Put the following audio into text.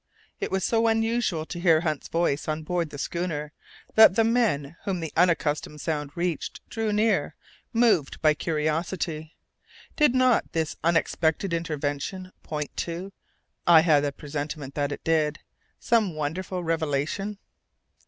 It was so unusual to hear Hunt's voice on board the schooner, that the men, whom the unaccustomed sound reached, drew near, moved by curiosity. Did not his unexpected intervention point to I had a presentiment that it did some wonderful revelation?